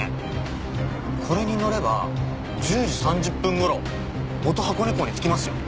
これに乗れば１０時３０分頃元箱根港に着きますよ。